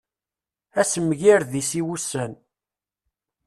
Asemgired-is i wussan.